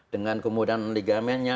dengan kemudahan ligamennya